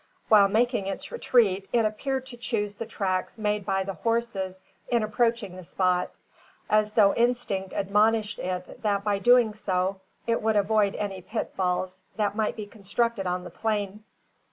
While making its retreat, it appeared to choose the tracks made by the horses in approaching the spot; as though instinct admonished it that by so doing it would avoid any pitfalls that might be constructed on the plain.